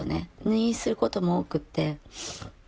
入院することも多くて。